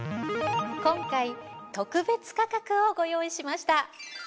今回特別価格をご用意しました。